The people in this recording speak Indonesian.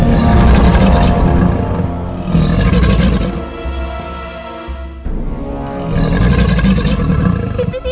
maaf tidak mau cuci